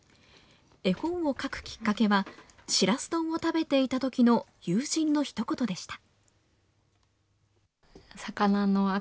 絵本を描くきっかけは、しらす丼を食べていたときの友人のひと言でした。